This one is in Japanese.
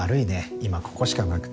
今ここしかなくて。